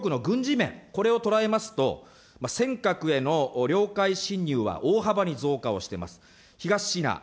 確かに、中国の軍事面、これを捉えますと、尖閣への領海侵入は大幅に増加をしてます。